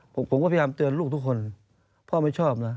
ผมก็พยายามเตือนลูกทุกคน